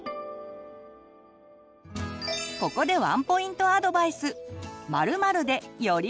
ここでワンポイントアドバイス！